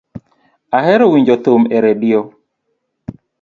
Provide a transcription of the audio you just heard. Ahero winjo thum e radio